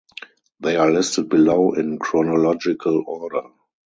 They are listed below in chronological order.